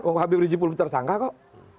wah habib rijik belum tersangka kok